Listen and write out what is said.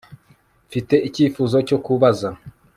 Mfite icyifuzo cyo kubaza